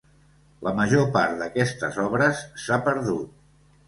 La major part d'aquestes obres s'ha perdut.